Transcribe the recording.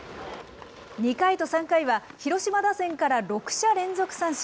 ２回と３回は、広島打線から６者連続三振。